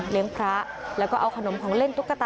เลี้ยงพระแล้วก็เอาขนมของเล่นตุ๊กตาที่น้องรัก